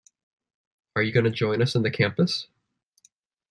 Are you gonna join us in the campus?